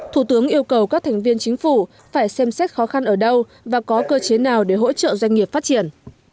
thủ tướng yêu cầu các thành viên chính phủ phải xem xét khó khăn ở đâu và có cơ chế nào để hỗ trợ doanh nghiệp phát triển